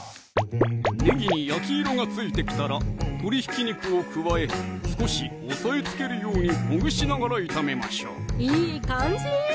ねぎに焼き色がついてきたら鶏ひき肉を加え少し押さえつけるようにほぐしながら炒めましょういい感じ！